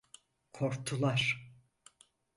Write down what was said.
Korktular…